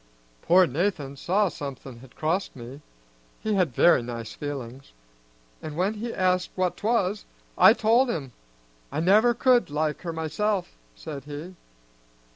Poor Nathan saw somethin' had crossed me, he had very nice feelings, and when he asked what 'twas, I told him. 'I never could like her myself,' said he.